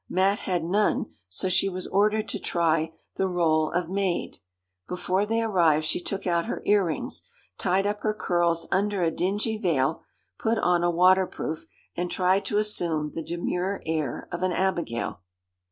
Mat had none, so she was ordered to try the rôle of maid. Before they arrived, she took out her ear rings, tied up her curls under a dingy veil, put on a waterproof, and tried to assume the demure air of an Abigail.